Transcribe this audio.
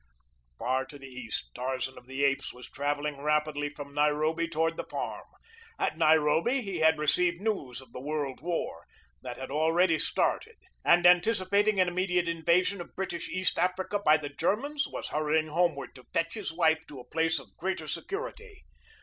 Far to the east, Tarzan of the Apes was traveling rapidly from Nairobi toward the farm. At Nairobi he had received news of the World War that had already started, and, anticipating an immediate invasion of British East Africa by the Germans, was hurrying homeward to fetch his wife to a place of greater security.